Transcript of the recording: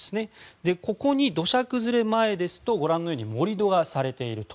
ここに、土砂崩れ前ですと盛り土がされていると。